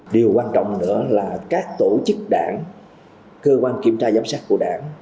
điều quan trọng nữa là các tổ chức đảng cơ quan kiểm tra giám sát của đảng